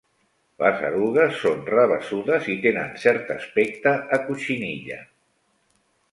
Les erugues són rabassudes i tenen cert aspecte a cotxinilla.